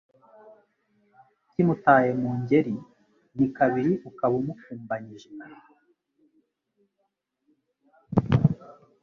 Kimutaye mu ngeri ni kabiri ukaba umukumbanyije,